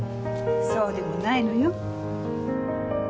そうでもないのよ。